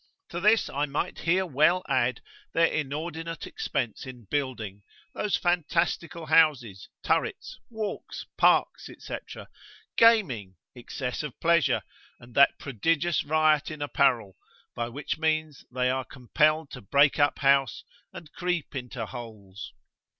To this I might here well add their inordinate expense in building, those fantastical houses, turrets, walks, parks, &c. gaming, excess of pleasure, and that prodigious riot in apparel, by which means they are compelled to break up house, and creep into holes.